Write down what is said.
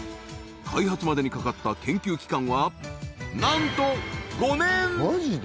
開発までにかかった研究期間はなんと５年！